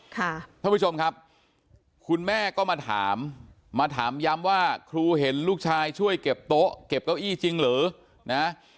ท่านผู้ชมครับคุณแม่ก็มาถามมาถามย้ำว่าครูเห็นลูกชายช่วยเก็บโต๊ะเก็บเก้าอี้จริงหรือนะ